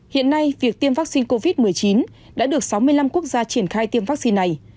hiện nay việc tiêm vaccine covid một mươi chín đã được sáu mươi năm quốc gia triển khai tiêm vaccine này